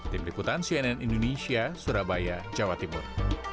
tim liputan cnn indonesia surabaya jawa timur